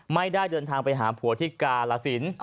ไม่ได้เดินทางไปหาผัวที่กาลสิน